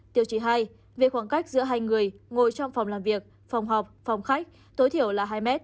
tiêu chí hai về khoảng cách giữa hai người ngồi trong phòng làm việc phòng họp phòng khách tối thiểu là hai m